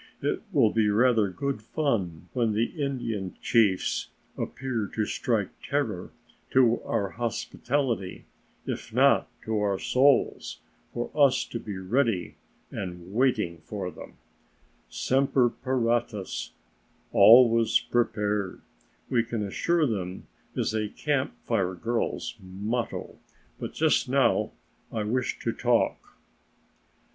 It will be rather good fun when the Indian chiefs appear to strike terror to our hospitality, if not to our souls, for us to be ready and waiting for them, Semper paratus, always prepared, we can assure them is a Camp Fire girl's motto. But just now I wish to talk."